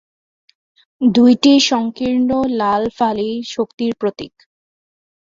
দুইটি সংকীর্ণ লাল ফালি শক্তির প্রতীক।